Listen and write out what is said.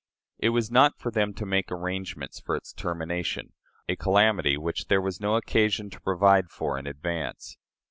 It was not for them to make arrangements for its termination a calamity which there was no occasion to provide for in advance.